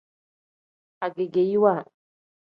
Agegeyiwa.